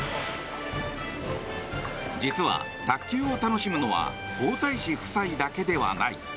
実は、卓球を楽しむのは皇太子夫妻だけではない。